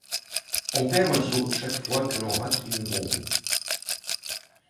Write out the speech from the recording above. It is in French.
On perd un seau chaque fois que l'on rate une bombe.